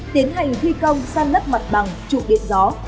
tiến hành thi công săn ngất mặt bằng trụ điện gió